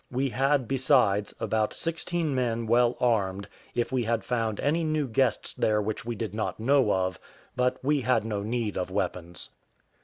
We had, besides, about sixteen men well armed, if we had found any new guests there which we did not know of; but we had no need of weapons.